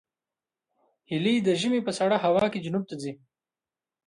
هیلۍ د ژمي په سړه هوا کې جنوب ته ځي